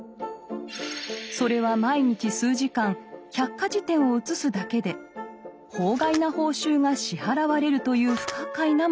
それは毎日数時間百科事典を写すだけで法外な報酬が支払われるという不可解なものでした。